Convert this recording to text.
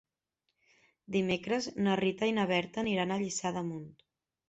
Dimecres na Rita i na Berta aniran a Lliçà d'Amunt.